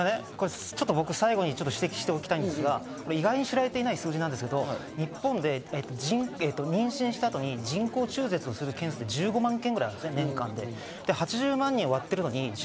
最後に指摘しておきたいんですが、意外に知られていない数字ですけど、日本で妊娠した後に人工妊娠中絶する人は年間１５万件ぐらいあるわけです。